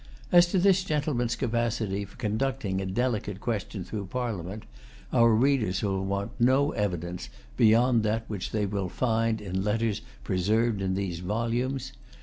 As to this gentleman's capacity for conducting a delicate question through Parliament, our readers will want no evidence beyond that which they will find in letters preserved in these volumes.